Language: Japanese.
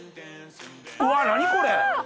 うわっ何これ！わ！